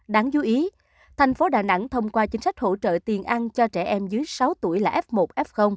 đáng dư ý tp đà nẵng thông qua chính sách hỗ trợ tiền ăn cho trẻ em dưới sáu tuổi là f một f